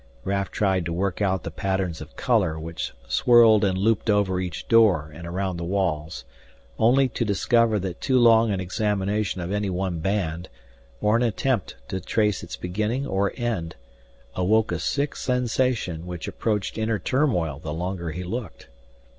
Raf tried to work out the patterns of color which swirled and looped over each door and around the walls, only to discover that too long an examination of any one band, or an attempt to trace its beginning or end, awoke a sick sensation which approached inner turmoil the longer he looked.